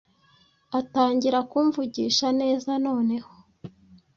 atangira kumvugisha neza noneho